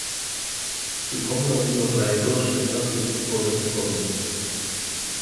Przypomniał mi on najgorsze czasy w Timorze Wschodnim